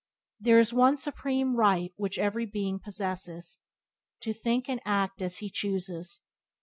There is one supreme right which every being possesses — to think and act as he chooses.